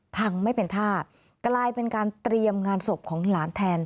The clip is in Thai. ไม่เป็นท่ากลายเป็นการเตรียมงานศพของหลานแทน